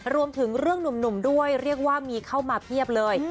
รวมถึงเรื่องหนุ่มด้วยเรียกว่ามีเข้ามาเพียบเลย